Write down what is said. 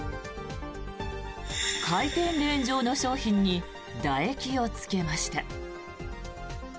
回転レーン上の商品にだ液をつけました。